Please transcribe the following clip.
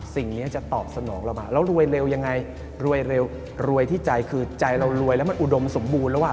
สิ่งนี้จะตอบสนองเรามาแล้วรวยเร็วยังไงรวยที่ใจคือใจเรารวยและมันอุดมสมบูรณ์